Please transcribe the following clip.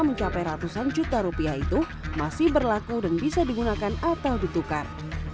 mencapai ratusan juta rupiah itu masih berlaku dan bisa digunakan atau ditukar